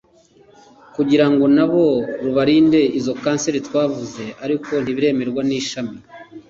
kugira ngo nabo rubarinde izo kanseri twavuze ariko ntibiremerwa n'Ishami